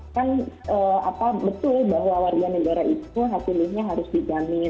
kan apa betul bahwa warga negara itu hak pilihnya harus dijamin